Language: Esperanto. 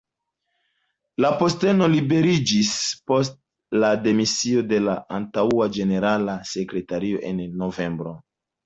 La posteno liberiĝis post la demisio de la antaŭa ĝenerala sekretario en novembro.